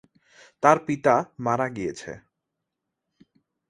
তার পিতা মারা গিয়েছে।